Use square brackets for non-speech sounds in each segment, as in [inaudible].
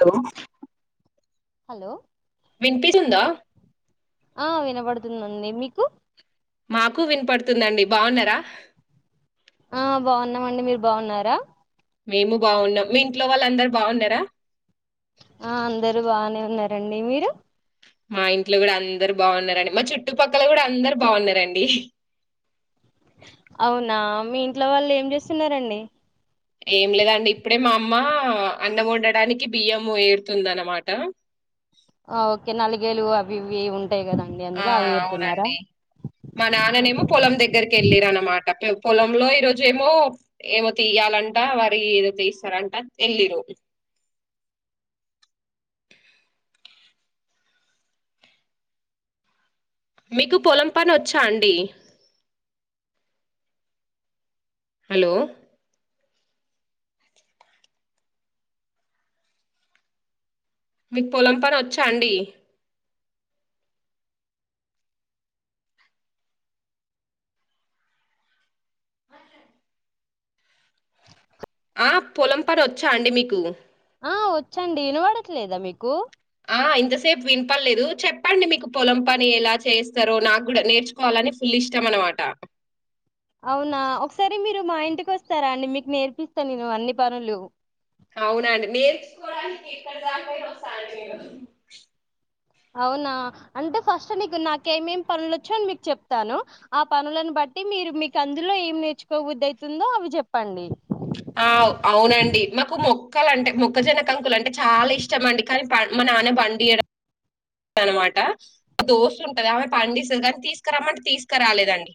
Hello hello విన్పి సుందా ఆ వినబడుతుందండి మీకు మాకు వినపడుతుందండి బాగున్నారా ఆ బాగున్నామండి మీరు బాగున్నారా మేము బాగున్నాం మీ ఇంట్లో వాళ్ళ అందరు బాగున్నారా ఆ అందరూ బానే ఉన్నారండి మీరు మా ఇంట్లో కూడా అందరు బాగున్నారండి మా చుట్టుపక్కల కూడా అందరు బాగున్నారండి అవునా మీ ఇంట్లో వాళ్ళు ఏం చేస్తున్నారండి ఏం లేదండి ఇప్పుడే మా అమ్మ అన్నం ఉండడానికి బియ్యం ఏరుతుంద అనమాట ఓకే నాలుగేలు అవి ఇవి ఉంటా ఆ అవునండి మా మ్హూ. నాన్ననేమో పొలం దగ్గరికి వెళ్ళర అన్నమాట పొలంలో ఈరోజేమో ఏమో తీయాలంట వారి ఏదో తీస్తారంట వెళ్ళరు మీకు పొలం పని వచ్చా అండి హలో మీకు పొలం పని వచ్చా అండి ఆ పొలం పని వచ్చా అండి మీకు ఆ వచ్చండి వినబడట్లేదా మీకు ఆ! ఇంతసేపు విన్పలేదు చెప్పండి మీకు పొలం పని ఎలా చేయిస్తారో నాకు కూడా నేర్చుకోవాలని ఫుల్ ఇష్టం అనమాట అవునా ఒకసారి మీరు మా ఇంటికి వస్తారా అండి మీకు నేర్పిస్తాను నేను అన్ని పనులు అవునండి నేర్చుకోడానికి అవునా అంటే ఫస్ట్ నీకు నాక ఏమేమి పనులు వచ్చో అని మీకు చెప్తాను ఆ పనులను బట్టి మీరు మీకు అందులో ఏమి నేర్చుకోబుద్దయితుందో అవి చెప్పండి ఆ అవునండి మాకు మొ ముక్కలు అంటే మొక్కజన కంకులు అంటే చాలా ఇష్టమండి కానీ మా నాన్న పండి అనమాట దోస్తు ఉంటది ఆమె పండిస్తుంది కానీ తీసుకురామంటే తీసుకురాలేదండి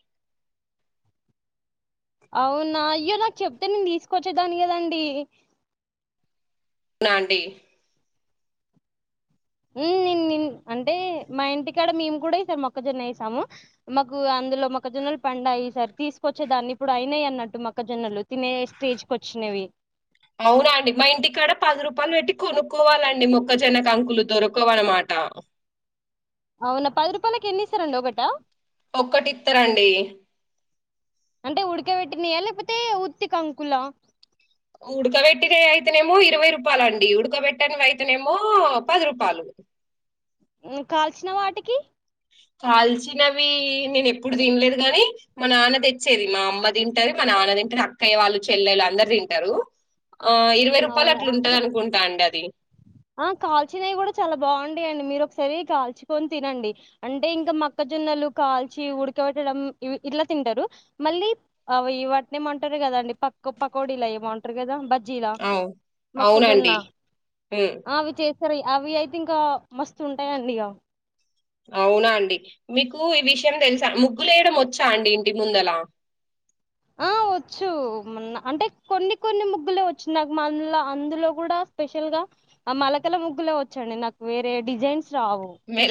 అవునా అయ్యో నాకు చెప్తే నేను తీసుకొచ్చేదాన్ని కదండి నాండడి ని అంటే మా ఇంటికాడ మేము కూడాసారు మొక్కజొన్న వేసాము మాకు అందులో మొక్కజొన్నలు పండు అ్య సార్ తీసుకొచ్చేదాన్ని ఇప్పుడు అయినాయి అన్నట్టు మొక్కజొన్నలు తినే స్టేజ్కి వచ్చినవి అవునండి మా ఇంటికాడ పది రూపాయలు పెట్టి కొనుక్కోవాలండి మొక్కజొన్నకు అంకులు దొరకోవాలన్నమాట అవునా పది రూపాయలకి ఎన్ని ఇస్తారండి ఒకటా ఒక్కటిస్తరండి అంటే ఉడకబెట్టినాయా లేకపోతే ఉత్తి కంకుల ఉడకబెట్టి అయితేనేమో ఇరవై రూపాయలు అండి ఉడకబెట్టనివి అయితేనేమో పది రూపాయలు కాల్చినవా వాటికి కాల్చినవి నేను ఎప్పుడు తినలేదు గాని మా నాన్న తెచ్చేది మా అమ్మ తింటాది మా నాన్న తింటాది అక్కయ్య వాళ్ళు చెల్లెళ్ళు అందరు తింటారు ఆ ఇరవై రూపాయలు అట్లు అవునా ఉంటంది అనుకుంటా అండి అది ఆ కాల్చినవి కూడా చాలా బాగుండయం అండి మీరు ఒకసారి కాల్చుకొని తినండి అంటే ఇంకా మొక్కజొన్నలు కాల్చి ఉడకబెట్టడం ఇవి ఇట్లా తింటారు మళ్ళీ అ ఇ వాటినే ఏమంటారు కదా అండి పక్క పకోడు ఇలా ఏమంటారు కదా బజ అవు అవునండి హ్మ్మ్ ఆ, అవి చేస్తారు అవి అయితే ఇంకా మస్తు ఉంటాయండి ఇగా అవునా అండి మీకు ఈ విషయం తెలుసా ముగ్గులు వేయడం వచ్చా అండి ఇంటి ముందలా ఆ వచ్చు అంటే కొన్ని కొన్ని ముగ్గులే వచ్చు నాకు మల్ల అందులో కూడా స్పెషల్ గా మలకల ముగ్గులే వచ్చండి నాకు వేరే డిజైన్స్ స్ రావు మె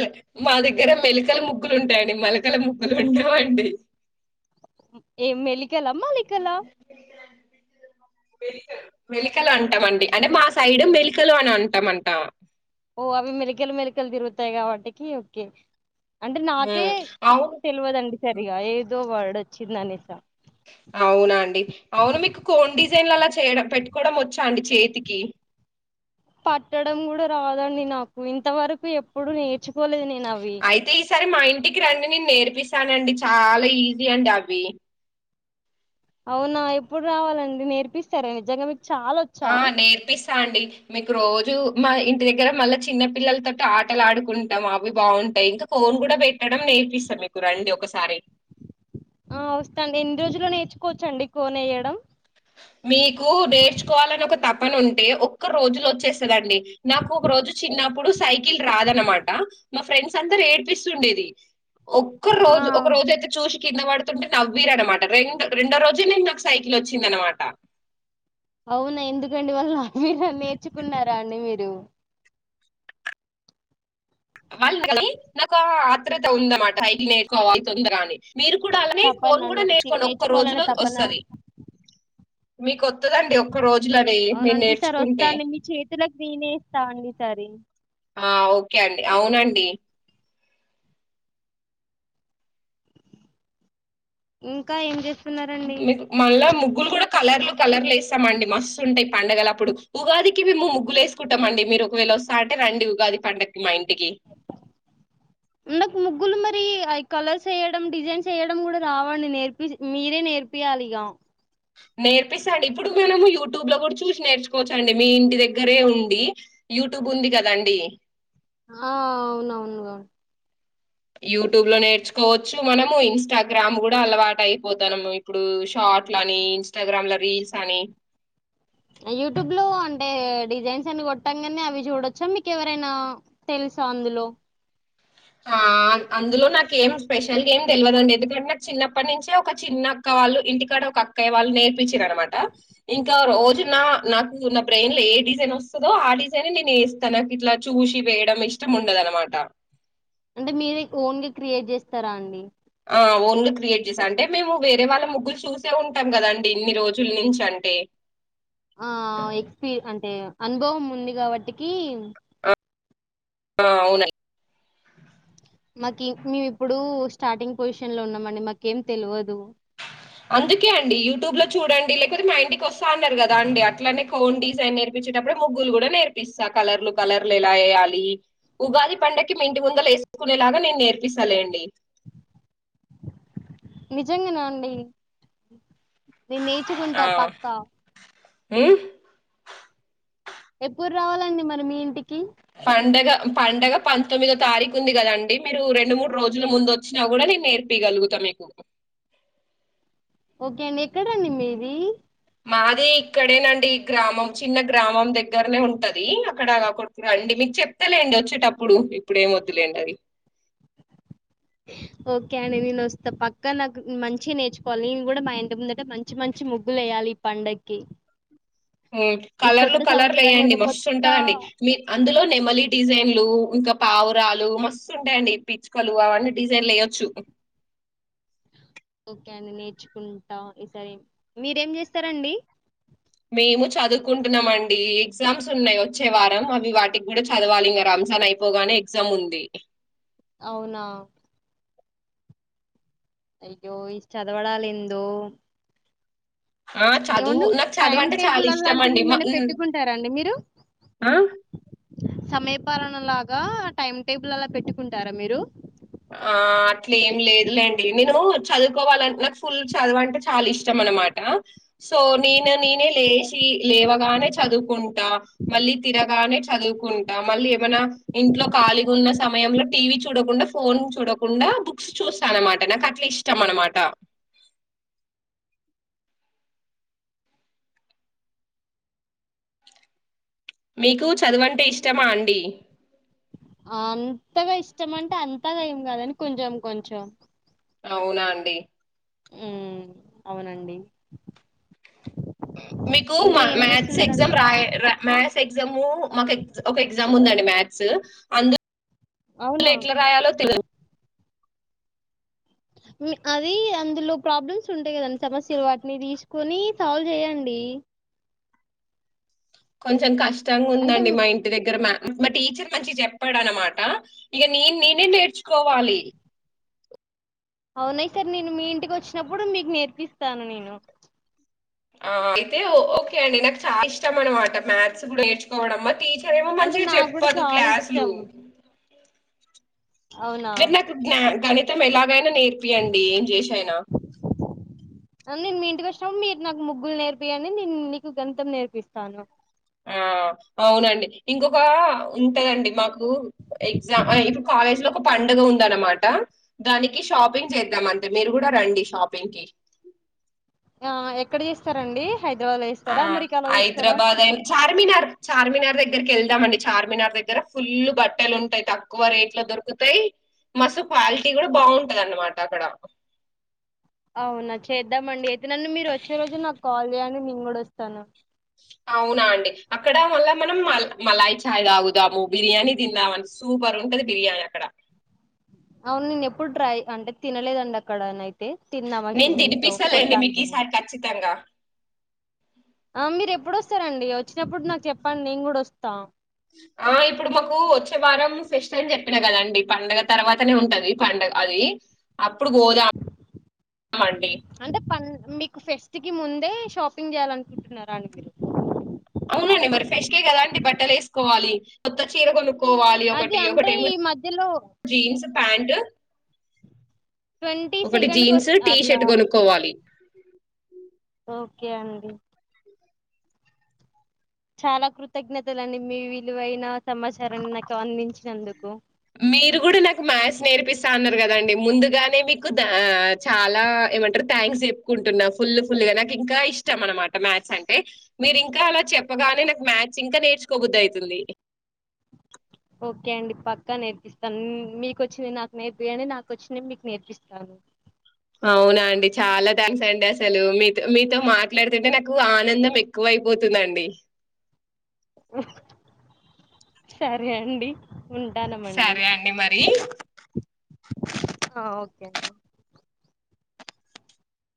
మా దగ్గర మెలికల ముగ్గులు ఉంటాయండి మలకల ముగ్గులు ఉండవాండి ఎ మెలిక ఇకల మాాలికలా మ మెలీకలు అంటామండి అంటే మా సైడ్ మెలికలు అని ట్టమంట ఓ అవి మెలికలు మెలికలు తిరుగుతాయి కాబట్టికి ఓకే అంటే నాకే ఉమ్ అవును తెలవదండి సరిగా ఏదో వర్డ్ చ్చి నానిస అవునండి అవును మీకు కోన్ డిజైన్ల అలా చేయ పెట్టుకోవడం వచ్చా అండి చేతికి పట్టడం కూడా రాదండి నాకు ఇంతవరకు ఎప్పుడు నేర్చుకోలేదు నేను నవి సరే మా ఇంటికి రండి నేను నేర్పిస్తానండి చాలా ఈజీ అండి అవి అవునా ఎప్పుడు రావాలండి నేర్పిస్తార నిజంగా చాల వచ్చా ఆ నేర్పిస్తా అండి మీకు రోజు మా ఇంటి దగ్గర మళ్ళా చిన్న పిల్లలతోటి ఆటలు ఆడుకుంటాం అవి బాగుంటాయి ఇంకా కోన్ కూడా పెట్టడం నేర్పిస్తాం మీకు రండి ఒకసారి ఆ వస్తాండి ఎన్ని రోజులు నేర్చుకోవచ్చండి కోన్ వేయడం మీకు నేర్చుకోవాలని ఒక తపన ఉంటే ఒక్క రోజులో వచ్చేస్తుదండి నాకు ఒక రోజు చిన్నప్పుడు సైకిల్ రాదనమాట మా ఫ్రెండ్స్ అందరు ఏడ్పిస్తుండేది ఒక్క ఆ రోజు ఒక అవును. రోజు అయితే చూసి కింద పడుతుంటే నవ్వీర అనమాట రెం రెండో రోజు నేను నాకు సైకిల్ వచ్చింది అనమాట అవునా ఎందుకండివల్ మీరు నేర్చుకున్నారా అండి మీరు వాళ్ళు కానీ నాకు ఆర్ద్రత ఉందన్నమాట సైకిల్ నేర్చుకోవాలి తొందర అని మీరు కూడా అలానే తపన కోన్ కూడా నే- తి- నేర్చుకోండి ఒక్క నేర్చుకోవాలనే రోజులో తపన వస్తుంది మీ కొ అవునండి ఈసారి వస్తాండి మీ చేతులకు నేనే ఏస్తాఅండి ఈసారి ఆ ఓకే అండి అవునండి ఏ ఇంకా ఏం చేస్తున్నారండి మీకు మళ్ళా ముగ్గులు కూడా కలర్లు కలర్లు వేస్తామండి మస్తు ఉంటాయి పండుగల అప్పుడు ఉగాదికి మేము ముగ్గులు వసుకుంటాంమండి మీరు ఒకవేళ వస్తా అంటే రండి ఉగాది పండగకి మా ఇన్ ఉండాక్ ముగ్గు లు మర్ ఐ కలర్స్ ఏయడం డిజైన్స్ ఏ యడం కూడా రావండి నేర్పి మీరే నేర్పియాలి ఇగ నేర్పిస్తాండి ఇప్పుడు మనము యూట్యూబ్ లో కూడా చూసి నేర్చుకోవచ్చా అండి మీ ఇంటి దగ్గరే ఉండి యూట్యూబ్ ఉంది కదండి ఆ అవునవునుగా యూట్యూబ్ లో నేర్చుకోవచ్చు మనము ఇన్స్టాగ్రామ్ కూడా అలవాటు అయిపోతాన్నాము ఇప్పుడు షార్ట్ల అని ఇంస్టాగ్రామ్ లో రీల్స్ అని యూట్యూబ్ లో అంటే డిజైన్స్ అని కొట్టాంగానే అవి చూడొచ్చా మీకు ఎవరైనా తెలుసా అందులో ఆ అందులో నాక్ ఏం స్పెషల్గా ఏం తెలియదుండి ఎందుకంటే నాకు చిన్నప్పటి నుంచే ఒక చిన్న అక్క వాళ్ళు ఇంటికాడ ఒక అక్కయ్య వాళ్ళు నేర్పించారునమాట ఇంకా రోజున నాకు నా బ్రెయిన్ లో ఏ డిజైన్ వస్తుందో ఆ డిజైన్ నేను వస్తా నాకు ఇట్లా చూసి వేయడం ఇష్టం ఉండదునమాట అంటే మీరే ఓన్గా క్రియేట్ చేస్తారా అండి ఆ ఓన్గ క్రియేట్ చేసా అంటే మేము వేరే వాళ్ళ ముగ్గులు చూసే ఉంటాం కదండి ఇన్ని రోజుల నుంచి అంటే ఆ ఎక్స్పీరి అంటే అనుభవం ఉంది కాబట్టికి ఆ అవునండి మాకీ మేము ఇప్పుడు స్టార్టింగ్ పొజిషన్ లో ఉన్నామండి మాకేం తెల్వ దు అందుకే అండి యూట్యూబ్ లో చూడండి లేకపోతే మా ఇంటికి వస్తా అన్నారు కదా అండి అట్లానే కోన్ డిజైన్ నేర్పించేటప్పుడే ముగ్గులు కూడా నేర్పిస్తా కలర్లు కలర్లు ఎలా వేయాలి ఉగాది పండకి మీ ఇంటి ముందల వేసుకునేలాగా నేను నేర్పిస్తలేండి నిజంగానా అండి నేను నేర్చుకుంటా పక్కా ఉమ్ ఎప్పుడు రావాలండి మరి మీ ఇంటికి పండగ పండగ పంతొమ్మిదో తారీఖు ఉంది కదండి మీరు రెండు మూడు రోజుల ముందు వచ్చినా కూడా నేను నేర్పిగలుగుతా మీకు ఓకే అండి ఎక్కడఅన్ డి మీది మాది ఇక్కడేనండి గ్రామం చిన్న గ్రామం దగ్గర్ నే ఉంటది అక్కడ రండి మీకు చెప్తలేండి వచ్చేటప్పుడు ఇప్పుడుేం వద్దులేండి అది ఓకే అండి నేను వస్తా పక్కా నాకు మంచి నేర్చుకోవాలి నేను కూడా మా ఇంటి ముందంటే మంచి మంచి ముగ్గులు వేయ్యాలి ఈ పండగకి ఎట్ కలర్లు కలర్లు వ్యండి ఒక కొత్త మస్తుంటదండి మీ అందులో నెమలి డిజైన్లు ఇంకా పావురాలు మస్తు ఉంటాయండి పిచ్చుకలు అవన్నీ డిజైన్లు వేయొచ్చు ఓకే అండి నేర్చుకుంటాం ఈసారి మీరేం చేస్తారండి మేము చదువుకుంటున్నామ అండి ఎగ్జామ్స్ ఉన్నాయి వచ్చే వారం అవి వాటికి కూడా చదవాలి ఇ మ రంజాన్ అయిపోగానే ఎగ్జామ్ ఉంది అవునా అయ్యో ఇస్ చదవడాలేందో ఆ చదువు ఏమండి నాకు టైం చదువన్ టే చాలా టేబుల్ ఇష్టం అలాంటిది అండిఆ ఏమైనా పెట్టుకుంటారా సమయ పాలనలాగా టైమ్ టేబుల్ అలా పెట్టుకుంటారా మీరు ఆ అట్లే ఏం లేదులేండి నేను చదువుకోవాలంట నాకు ఫుల్ చదవంటే చాలా ఇష్టం అనమాట సో నేను నేనే లే లేవగానే చదువుకుంటా మళ్ళీ తిర గానే చదువుకుంటా మళ్ళీ ఏమైనా ఇంట్లో కాలిగా ఉన్న సమయంలో టీవీ చూడకుండా ఫోన్ చూడకుండా బుక్స్ చూశా అన్నమాట నాకు అట్లా ఇష్టం అన్నమాట మీకు చదువంటే ఇష్టమా అండి. అంతగా ఇష్టం అంటే అంతగా ఏం కాదఅండి కొంచెం కొంచెం అవునా అండి. ఊ అవునండి. మీకు మ ఇంకా ఏం మ్యాథ్స్ ఎగ్జామ్ చేస్తున్నారండి రాయ్ ర మ్యాస్ ఎగ్జాము మాకు ఒక ఎగ్జామ్ ఉందండి మ్యాథ్స్ అందు లో అవునా ఎట్లా రాయాలో తెలీదు అది అందులో ప్రాబ్లమ్స్ ఉంటాయి కదండి. సమస్యలు వాటిని తీసుకొని సాల్వ్ చేయండి. కొంచం కష్ కష్టంగా అంటే ఉందండి మా ఇంటి దగ్గర మా మా టీచర్ మంచిగ చెప్పాడు అన్నమాట ఇగ నీను నీనే నేర్చుకోవాలి. అవునా ఈసారి నేను మీ ఇంటికి వచ్చినప్పుడు మీకు నేర్పిస్తాను నేను ఆ అయితే ఓకే అండి నాకు చాలా ఇష్టం అన్నమాట మ్యాథ్స్ గూడా నేర్చుకోవడం మాటీచ్ చర్ ఏమో అంటే మంచిగా నాకు కూడా చెప్పదు చాలా క్లాసులు ఇష్టం అవునా మీర్ నాకు్ గ్నా గనిత్ మ్ ఎలాగ్ ఏమైనా నేర్పియండి ఏం జేషియైనా నేన్ మీ ఇంటికి వచ్చినప్పుడు మీరు నాకు ముగ్గులు నేర్పియ్యండి నేను నీకు గణితం నేర్పిస్తాను. ఆ అవునండి ఇంకొక ఉంటదండి మాకు కు ఎగ్జామ్ ఆ ఇప్పుడు కాలేజ్ లో ఒక పండుగ ఉందన్నమాట దానికి షాపింగ్ చేద్దాం [unintelligible] మీరుగూడా రండి షాపింగ్ కి ఆ ఎక్కడ జేస్తారండి ఆ హైదరాబాద్ అయిన చార్మినార్ చార్మినార్ దగ్ దగ్గరికి వెళ్దామండి చార్మినార్ దగ్గర ఫుల్ల్ బట్టలు ఉంటాయి. తక్కువ రేట్ లో దొరుకుతాయి. మస్తు క్వాలిటీ గూడా బాగుంటదన్నమాట అక్కడ అవునా చేద్దామండి అ నన్ను మీరు వచ్చేరోజు నాకు కాల్ జేయండి. నేను గూడ వస్తాను అవునా అండి అక్కడ మల్ల మనం మల్ మలాయి చాయ్ తాగుదాము. బిర్యానీ తిందామని సూపర్ ఉంటది. బిర్యానీ అక్కడ అవును నేను ఎప్పుడు ట్రై అంటే తినలేదండి అక్కడ నై నేను తినిపిస్తాలేండి మీకి అనుభవం ఈసారి ఖచ్చితంగా ఆ మీరు ఎప్పుడొస్తారండి వచ్చినప్పుడు నాకు చెప్పండి నేను గూడా వస్తా. ఆ ఇప్పుడు మాకు వచ్చేవారం ఫెస్ట్ అని చెప్పిన కదండి పండగ తర్వాతనే ఉంటది పండు అది అప్ అంటే పం మీకు ఫెస్ట్ కి ముం దే షాపింగ్ చేయాలనుకుంటున్నారా అండి మీరు అవునండి మరి ఫెస్ట్ కే కదా అండి బట్టలు ఏసుకోవాలి కొత్తచీర కొను కోవాలి అది ఒకటి అంటే ఒకటి ఏమో ఈ మధ్యలో జీన్స్ ప్యాంటు ట్వంటీ ఒకటి సెకండ్ కు జీన్స్ వస్త టీ అట్లా షర్ట్ గొనుక్కోవాలి ఓకే అండి చాలా కృతజ్ఞతలు అండి మీ విలువైన సమాచారాన్ని నాకు అందించినందుకు మీరు గూడా నాకు మ్యాథ్స్ నేర్పిస్తా అన్నారు కదండి ముందుగానే మీకు చాలా ఏమంటారు థ్యాంక్స్ చెప్పుకుంటున్నా ఫుల్ ఫుల్ గా నాకు ఇంకా ఇష్టం అనమాట మ్యాథ్స్ అంటే మీరు ఇంకా అలా చెప్పగానే నాకు మ్యాథ్స్ ఇంకా నేర్చుకోబుద్ది అయితుంది ఓకే అండి పక్కా నేర్పిస్తాను మీకొచ్చింది నాకు నేర్పి యండి నాకు వచ్చింది మీకు నేర్పిస్తాను అవునా అండి చాలా థ్యాంక్స్ అండి అసలు మీతో మీతో మాట్లాడుతుంటే నాకు ఆనందం ఎక్కువ అయిపోతుందండి సరే అండి ఉంటానమండి సరే అండి మరి ఉ